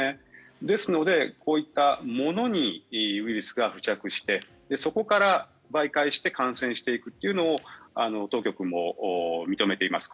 ですので、こういったものにウイルスが付着してそこから媒介して感染していくというのを当局も認めています。